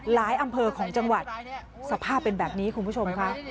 อำเภอของจังหวัดสภาพเป็นแบบนี้คุณผู้ชมค่ะ